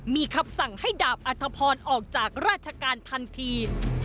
มีคำสั่งให้ดาบอัธพรออกจากราชการทันที